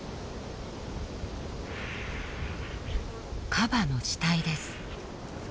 カバの死体です。